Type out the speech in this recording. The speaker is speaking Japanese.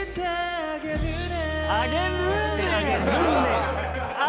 あげるね。